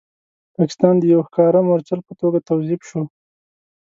پاکستان د یو ښکاره مورچل په توګه توظیف شو.